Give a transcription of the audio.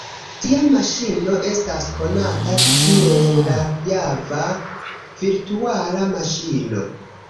Tia maŝino estas konata kiel la Java Virtuala Maŝino.